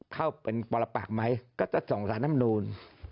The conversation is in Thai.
เข้าเป็นปรปักไหมก็จะส่งสารน้ำนูล